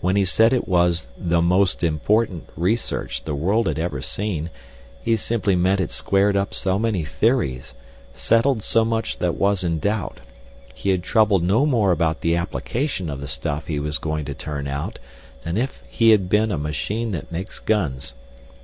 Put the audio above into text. When he said it was "the most important" research the world had ever seen, he simply meant it squared up so many theories, settled so much that was in doubt; he had troubled no more about the application of the stuff he was going to turn out than if he had been a machine that makes guns.